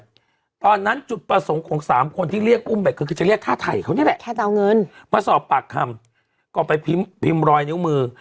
อันนั้นจุดประสงค์ของสามคนที่เรียกอุ๋มแบตก็คือจะเรียกท่าไทยเลยแหละแค่เตามือซอบแปลกคำก่อนไปพิมพ์รอยนิ้วมือ